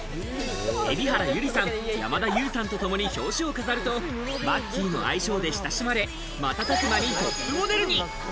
蛯原友里さん、山田優さんとともに表紙を飾ると、マッキーの愛称で親しまれ、瞬く間にトップモデルに。